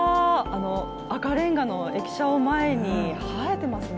赤れんがの駅舎を前に映えていますね。